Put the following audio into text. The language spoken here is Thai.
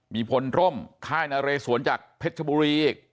มีพลร่มค่ายนเรสวนจากเพชรบุรีอีก